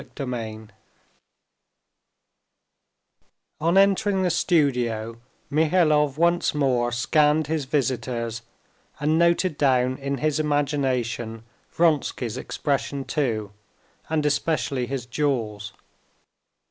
Chapter 11 On entering the studio, Mihailov once more scanned his visitors and noted down in his imagination Vronsky's expression too, and especially his jaws.